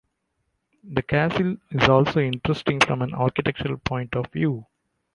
This castle is also interesting from an architectural point of view.